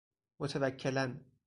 متوکلاً